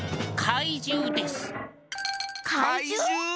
かいじゅう？